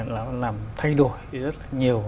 nó làm thay đổi rất là nhiều